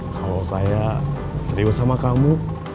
kalau saya serius sama kamu